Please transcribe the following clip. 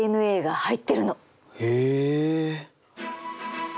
へえ。